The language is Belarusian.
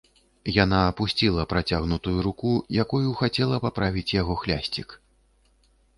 Яна апусціла працягнутую руку, якою хацела паправіць яго хлясцік.